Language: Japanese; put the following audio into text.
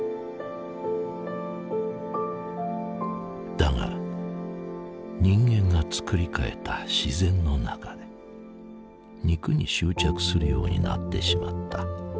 だが人間が作りかえた自然の中で肉に執着するようになってしまった。